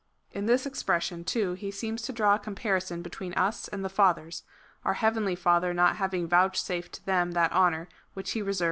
In this expression, too, he seems to draw a comparison between us and the fathers, our heavenly Father not having vouchsafed to them that honour which he reserved for the advent of his Son.